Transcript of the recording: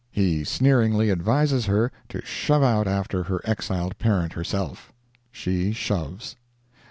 He sneeringly advises her to shove out after her exiled parent herself. She shoves!